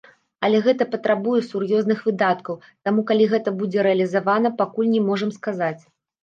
Але гэта патрабуе сур'ёзных выдаткаў, таму калі гэта будзе рэалізавана, пакуль не можам сказаць.